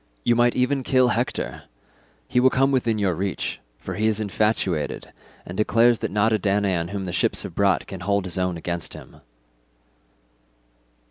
You might even kill Hector; he will come within your reach, for he is infatuated, and declares that not a Danaan whom the ships have brought can hold his own against him."